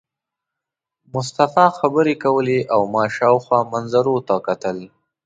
مصطفی خبرې کولې او ما شاوخوا منظرو ته کتل.